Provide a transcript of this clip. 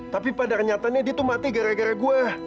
tapi pada kenyatanya dia tuh mati gara gara gue